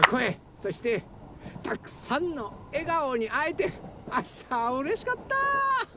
そしてたくさんのえがおにあえてあっしはうれしかった。